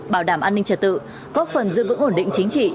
bảo đảm an ninh trật tự góp phần giữ vững ổn định chính trị